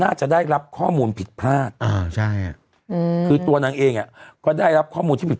น่าจะได้รับข้อมูลผิดพลาดคือตัวนางเองก็ได้รับข้อมูลที่ผิด